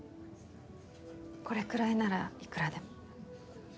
これくらいならいくらでも。